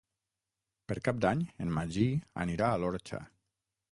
Per Cap d'Any en Magí anirà a l'Orxa.